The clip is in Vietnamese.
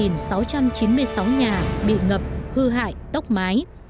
năm trăm sáu mươi một sáu trăm chín mươi sáu nhà bị ngập hư hại tốc mái